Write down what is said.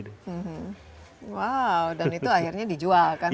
dan itu akhirnya dijual kan